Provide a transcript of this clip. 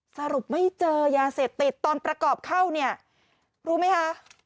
สรุปไม่เจอยาเสพติดตอนประกอบเข้าเนี่ยรู้ไหมคะ